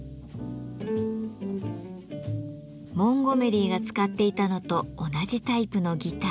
モンゴメリーが使っていたのと同じタイプのギター。